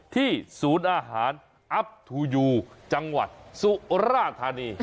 ศูนย์อาหารอัพทูยูจังหวัดสุราธานี